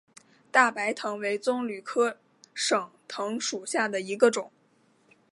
大白藤为棕榈科省藤属下的一个种。